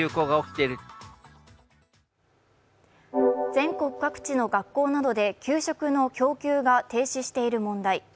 全国各地の学校などで給食の供給が停止している問題。